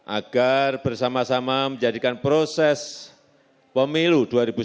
agar bersama sama menjadikan proses pemilu dua ribu sembilan belas